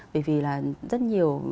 bởi vì là rất nhiều